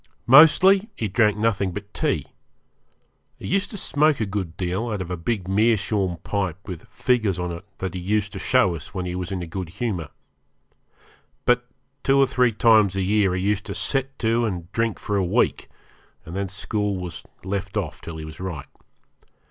Mostly he drank nothing but tea. He used to smoke a good deal out of a big meerschaum pipe with figures on it that he used to show us when he was in a good humour. But two or three times a year he used to set to and drink for a week, and then school was left off till he was right.